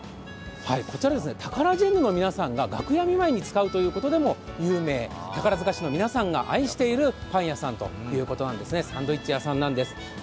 タカラジェンヌの皆さんが楽屋見舞いに使うことでも有名、宝塚市の皆さんが愛しているパン屋さん、サンドイッチ屋さんなんです。